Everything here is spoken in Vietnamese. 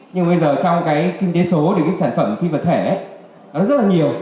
nhưng bây giờ trong cái kinh tế số thì cái sản phẩm phi vật thể nó rất là nhiều